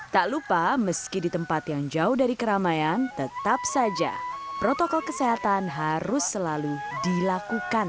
tak lupa meski di tempat yang jauh dari keramaian tetap saja protokol kesehatan harus selalu dilakukan